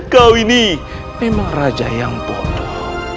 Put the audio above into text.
kau ini memang raja yang pondok